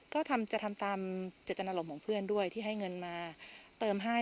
ก็จะทำตามเจตนารมณ์ของเพื่อนด้วยที่ให้เงินมาเติมให้